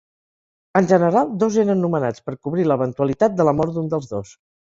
En general, dos eren nomenats per cobrir l'eventualitat de la mort d'un dels dos.